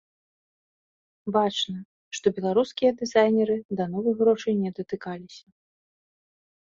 Бачна, што беларускія дызайнеры да новых грошай не датыкаліся.